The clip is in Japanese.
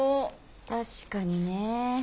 確かにねえ。